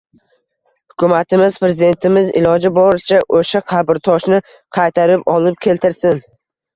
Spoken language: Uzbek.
Hukumatimiz, prezidentimiz iloji boricha o‘sha qabrtoshni qaytarib olib keltirsin.